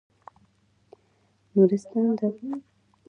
نورستان د افغانستان د جغرافیې یوه خورا غوره او لوړه بېلګه ده.